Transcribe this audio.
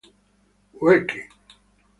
Work It